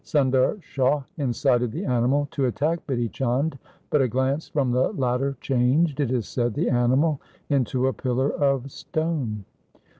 Sundar Shah incited the animal to attack Bidhi Chand, but a glance from the latter changed, it is said, the animal into a pillar of stone.